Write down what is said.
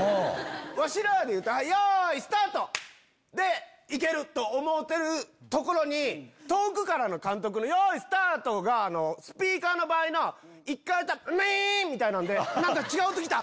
わしらでいうと「用意スタート」でいけると思うてるところに遠くからの監督の「用意スタート」がスピーカーの場合の一回ミン！みたいなんで何か違う音きた！